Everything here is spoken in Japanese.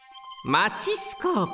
マチスコープ。